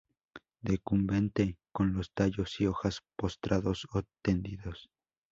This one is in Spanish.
Decumbente, con los tallos y hojas postrados o tendidos.